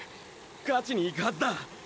勝ちに行くはずだ。